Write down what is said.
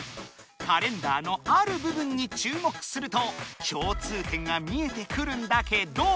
カレンダーのある部分に注目すると共通点が見えてくるんだけど。